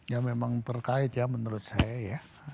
ya memang terkait ya menurut saya ya